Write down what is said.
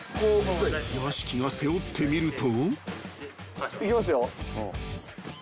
［屋敷が背負ってみると］